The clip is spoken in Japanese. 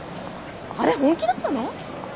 あれ本気だったの？